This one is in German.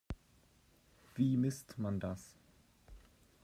Wie misst man das?